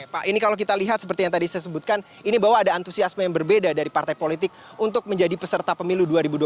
pak ini kalau kita lihat seperti yang tadi saya sebutkan ini bahwa ada antusiasme yang berbeda dari partai politik untuk menjadi peserta pemilu dua ribu dua puluh